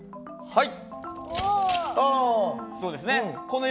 はい。